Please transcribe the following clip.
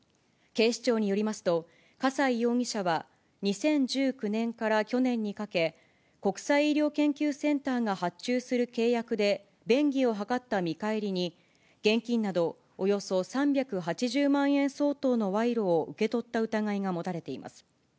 警視庁によりますと、笠井容疑者は２０１９年から去年にかけ、国際医療研究センターが発注する契約で便宜を図った見返りに、現金など、およそ３８０万円相当の賄賂を受け取った疑いが持たれています。